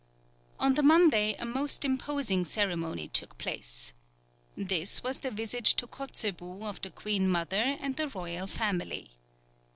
_] On the Monday a most imposing ceremony took place. This was the visit to Kotzebue of the queen mother and the royal family.